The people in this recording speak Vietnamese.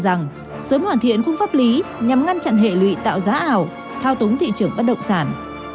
rằng sớm hoàn thiện khung pháp lý nhằm ngăn chặn hệ lụy tạo giá ảo thao túng thị trường bất động sản